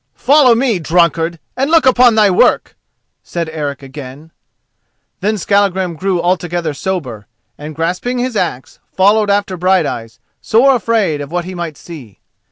"Follow me, drunkard, and look upon thy work!" Eric said again. Then Skallagrim grew altogether sober, and grasping his axe, followed after Brighteyes, sore afraid of what he might see.